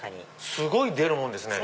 すごい出るもんですね。